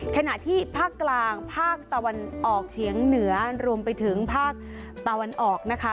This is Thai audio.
ขณะที่ภาคกลางภาคตะวันออกเฉียงเหนือรวมไปถึงภาคตะวันออกนะคะ